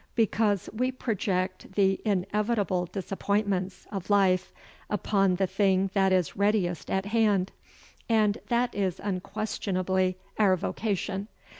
Because we project the inevitable disappointments of life upon the thing that is readiest at hand and that is unquestionably our vocation.